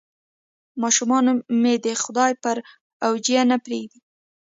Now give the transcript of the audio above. ماشومان مې د خدای پر اوېجه نه پرېږدي.